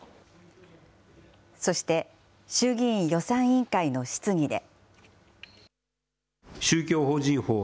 そして衆議院予算委員会の質疑で。